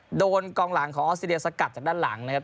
โดนกองหลังของออสเตรเลียสกัดจากด้านหลังนะครับ